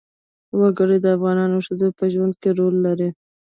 وګړي د افغان ښځو په ژوند کې رول لري.